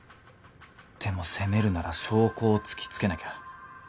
でも攻めるなら証拠を突きつけなきゃ。